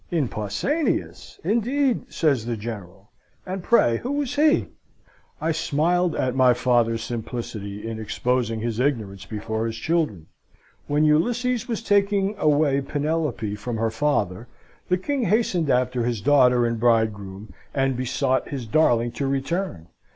"'In Pausanias? Indeed!' said the General. 'And pray who was he?' "I smiled at my father's simplicity in exposing his ignorance before his children. 'When Ulysses was taking away Penelope from her father, the king hastened after his daughter and bridegroom, and besought his darling to return.